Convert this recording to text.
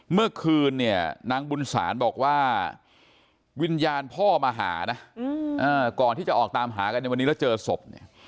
เมื่อคืนเนี่ยนางบุญศาลบอกว่าวิญญาณพ่อมาหานะก่อนที่จะออกตามหากันในวันนี้แล้วเจอศพเนี่ย